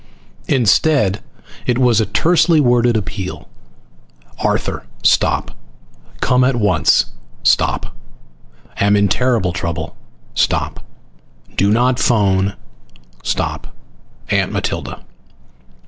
Instead, it was a tersely worded appeal. ARTHUR STOP COME AT ONCE STOP AM IN TERRIBLE TROUBLE STOP DO NOT PHONE STOP AUNT MATILDA.